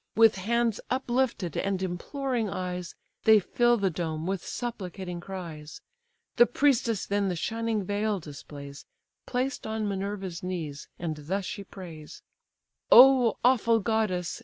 With hands uplifted and imploring eyes, They fill the dome with supplicating cries. The priestess then the shining veil displays, Placed on Minerva's knees, and thus she prays: "Oh awful goddess!